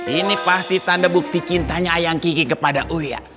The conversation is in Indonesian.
ini pasti tanda bukti cintanya ayang kiki kepada uya